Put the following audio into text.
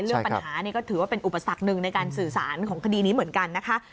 เรื่องปัญหานี่ก็ถือว่าเป็นอุปสรรคหนึ่งในการสื่อสารของคดีนี้เหมือนกันนะคะ